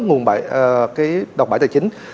nguồn đọc bãi tài chính